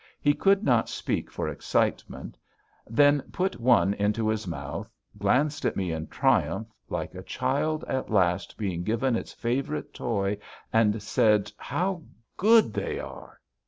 He could not speak for excitement, then put one into his mouth, glanced at me in triumph, like a child at last being given its favourite toy, and said: "'How good they are!'